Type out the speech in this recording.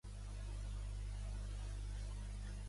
Son Gotleu és una barriada de Palma.